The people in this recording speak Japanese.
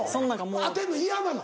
当てるの嫌なの？